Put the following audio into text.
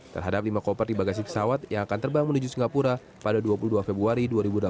terhadap lima koper di bagasi pesawat yang akan terbang menuju singapura pada dua puluh dua februari dua ribu delapan belas